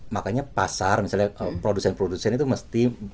makanya pasar misalnya produsen produsen itu mesti